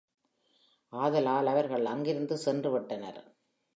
ஆதலால் அவர்கள் அங்கிருந்து சென்றுவிட்டனர்.